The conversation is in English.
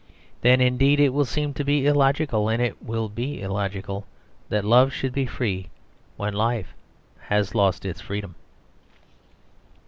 Then indeed it will seem to be illogical, and it will be illogical, that love should be free when life has lost its freedom.